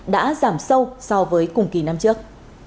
đã giảm sâu so với cùng kỳ năm trước